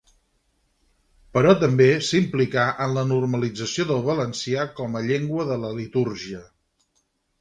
Però també s'implicà en la normalització del valencià com a llengua de la litúrgia.